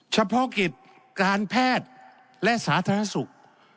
เฉพาะกิจการแพทย์และสาธารณสุข